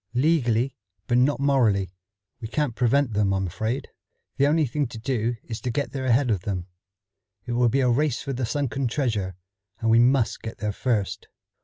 "Legally, but not morally. We can't prevent them, I'm afraid. The only thing to do is to get there ahead of them. It will be a race for the sunken treasure, and we must get there first."